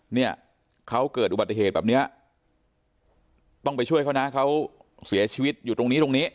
เนี่ยเขาเกิดอุบัติเหตุแบบเนี้ยต้องไปช่วยเขานะเขาเสียชีวิตอยู่ตรงนี้ตรงนี้